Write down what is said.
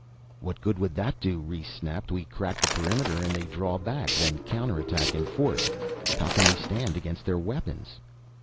"What good would that do?" Rhes snapped. "We crack the perimeter and they draw back then counter attack in force. How can we stand against their weapons?"